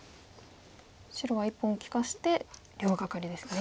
白は１本利かして両ガカリですね。